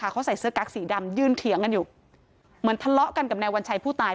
เขาใส่เสื้อกั๊กสีดำยืนเถียงกันอยู่เหมือนทะเลาะกันกับนายวัญชัยผู้ตาย